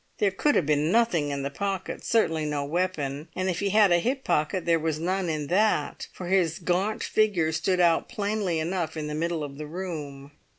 There could have been nothing in the pockets, certainly no weapon, and if he had a hip pocket there was none in that, for his gaunt figure stood out plainly enough in the middle of the room.